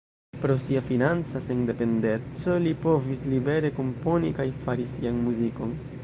Pro sia financa sendependeco li povis libere komponi kaj fari sian muzikon.